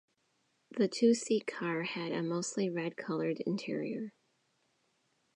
The two-seat car had a mostly red-colored interior.